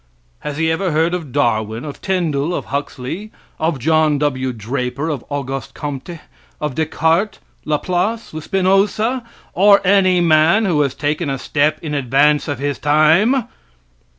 Has he ever heard of Darwin, of Tyndall, of Huxley, of John W. Draper, of Auguste Comte, of Descartes, Laplace, Spinoza, or any man who has taken a step in advance of his time?